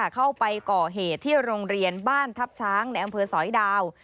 เข้าไปก่อเหตุที่โรงเรียนบ้านทัพช้างในอำเภอสอยดาว